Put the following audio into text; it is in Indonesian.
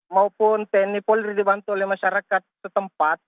maupun tni polri dibantu oleh masyarakat setempat